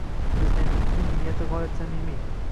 Prezidentimizning niyati gʻoyat samimiy.